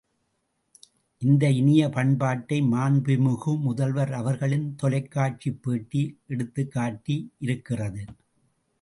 இந்த இனிய பண்பாட்டை மாண்புமிகு முதல்வர் அவர்களின் தொலைக்காட்சிப் பேட்டி எடுத்துக் காட்டியிருக்கிறது.